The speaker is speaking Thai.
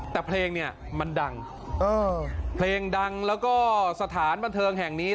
แต่เพลงเนี่ยมันดังเพลงดังแล้วก็สถานบันเทิงแห่งนี้